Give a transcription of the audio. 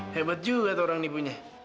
hebat juga tuh orang ini punya